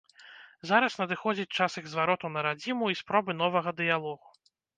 Зараз надыходзіць час іх звароту на радзіму і спробы новага дыялогу.